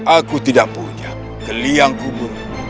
aku tidak punya keliang kubur